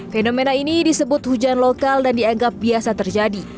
fenomena ini disebut hujan lokal dan dianggap biasa terjadi